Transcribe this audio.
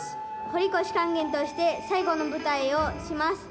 堀越勸玄として最後の舞台をします。